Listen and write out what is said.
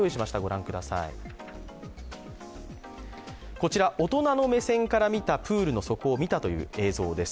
こちら、大人の目線から見たプールの底を見た映像です。